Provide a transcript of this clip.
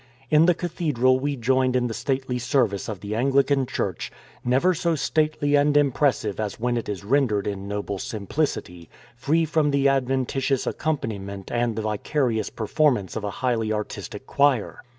In the cathedral we joined in the stately service of the Anglican Church, never so stately and impressive as when it is rendered in noble simplicity, free from the adventitious accompaniment and the vi carious performance of a highly artistic choir.